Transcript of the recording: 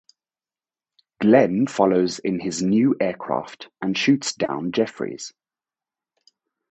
Glenn follows in his new aircraft and shoots down Jeffries.